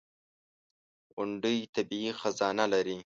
• غونډۍ طبیعي خزانه لري.